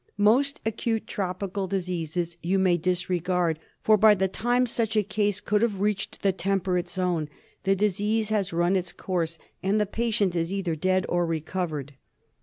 Most acute tropical diseases you may disregard ; for, by the time such a case could have reached the temperate zone, the disease has run its course, and the patient is either dead or recovered.